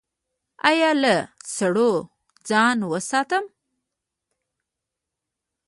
ایا له سړو ځان وساتم؟